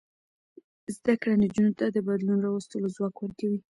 زده کړه نجونو ته د بدلون راوستلو ځواک ورکوي.